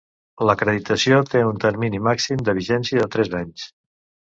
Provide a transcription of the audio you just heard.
L'acreditació té un termini màxim de vigència de tres anys.